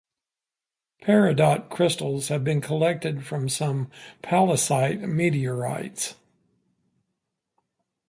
Peridot crystals have been collected from some pallasite meteorites.